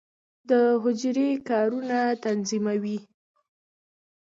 د حجره د کارونو تنظیموي.